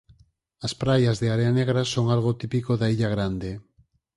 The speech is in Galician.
As praias de area negra son algo típico da Illa Grande.